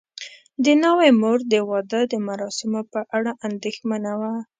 د ناوې مور د واده د مراسمو په اړه اندېښمنه وه.